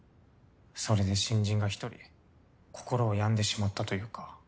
それで新人が１人心を病んでしまったというか。